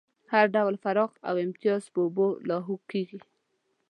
هر ډول فرق او امتياز په اوبو لاهو کېږي.